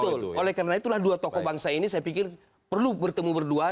betul oleh karena itulah dua tokoh bangsa ini saya pikir perlu bertemu berdua